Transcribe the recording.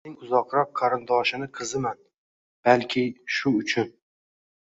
Men qaynotamning uzoqroq qarindoshini qiziman, balki, shu uchun